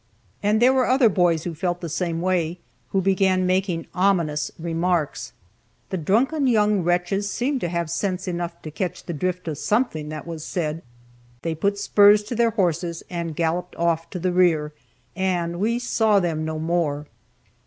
And there were other boys who felt the same way, who began making ominous remarks. The drunken young wretches seemed to have sense enough to catch the drift of something that was said, they put spurs to their horses and galloped off to the rear, and we saw them no more.